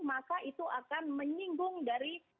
maka itu akan menyinggung dari